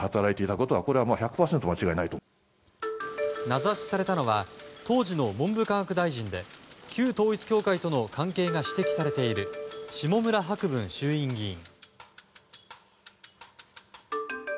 名指しされたのは当時の文部科学大臣で旧統一教会との関係が指摘されている下村博文衆院議員。